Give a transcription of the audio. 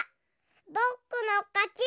ぼくのかち！